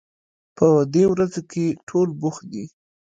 په دې ورځو کې ټول بوخت دي